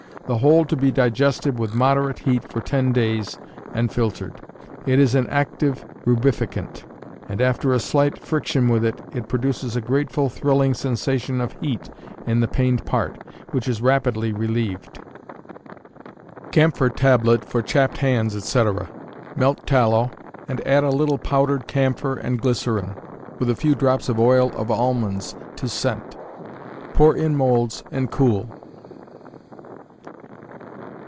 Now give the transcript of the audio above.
The whole to be digested with moderate heat for ten days, and filtered. It is an active rubificant; and after a slight friction with it, it produces a grateful, thrilling sensation of heat in the pained part, which is rapidly relieved. Camphor Tablet for Chapped Hands, etc. Melt tallow, and add a little powdered camphor and glycerine, with a few drops of oil of almonds to scent. Pour in molds and cool.